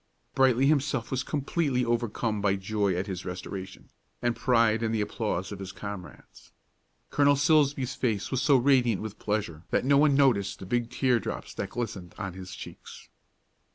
Brightly himself was completely overcome by joy at his restoration, and pride in the applause of his comrades. Colonel Silsbee's face was so radiant with pleasure that no one noticed the big teardrops that glistened on his cheeks.